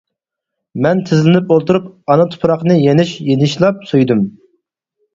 مەن تىزلىنىپ ئولتۇرۇپ ئانا تۇپراقنى يېنىش يېنىشلاپ سۆيدۈم.